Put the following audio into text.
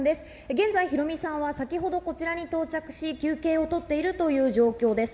現在、ヒロミさんは先ほど、こちらに到着し、休憩を取っているという状況です。